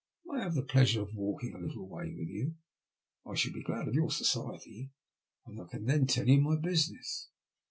May I have the pleasure of walking a little way with you ? I should be glad of your society, and I can then tell you my business."